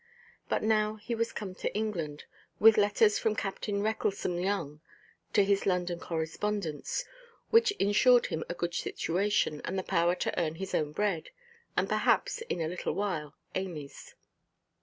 But now he was come to England, with letters from Captain Recklesome Young, to his London correspondents, which ensured him a good situation, and the power to earn his own bread, and perhaps in a little while Amyʼs.